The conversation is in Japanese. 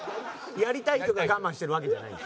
やりたいけど我慢してるわけじゃない。